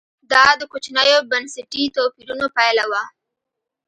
دا د کوچنیو بنسټي توپیرونو پایله وه